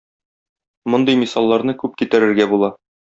Мондый мисалларны күп китерергә була.